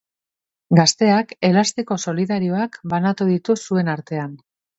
Gazteak elastiko solidarioak banatu ditu zuen artean.